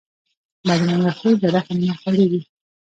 بدرنګه خوی له رحم نه خالي وي